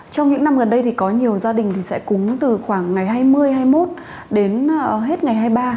trong những năm gần đây thì có nhiều gia đình sẽ cúng từ khoảng ngày hai mươi hai mươi một đến hết ngày hai mươi ba